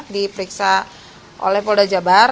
diperiksa oleh polda jabar